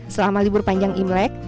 selama libur panjang imlek